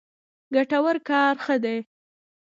ګټور کار ښه دی.